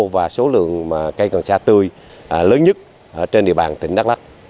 và lượng cây cần xa tươi lớn nhất trên địa bàn tỉnh đắk lắk